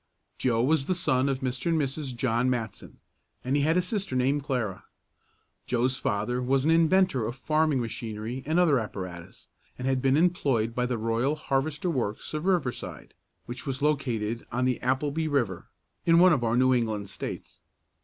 Joe was the son of Mr. and Mrs. John Matson, and he had a sister named Clara. Joe's father was an inventor of farming machinery and other apparatus, and had been employed by the Royal Harvester Works of Riverside, which was located on the Appleby River, in one of our New England States.